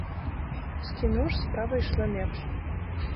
З кіно ж справа ішла лепш.